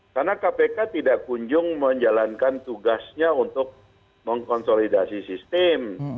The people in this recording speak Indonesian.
karena kpk tidak kunjung menjalankan tugasnya untuk mengkonsolidasi sistem